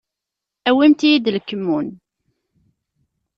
Awimt-iyi-d lkemmun.